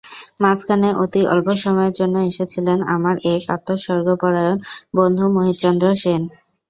মাঝখানে অতি অল্প সময়ের জন্য এসেছিলেন আমার এক আত্মোৎসর্গপরায়ণ বন্ধু মোহিতচন্দ্র সেন।